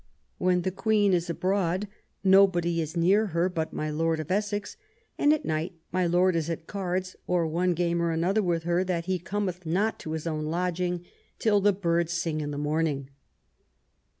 '* When the Queen is abroad, nobody is near her but my Lord of Essex ; and at night, my Lord is at cards, or one game or another . THE NEW ENGLAND, 243 with her that he cometh not to his own lodging till the birds sing in the morning."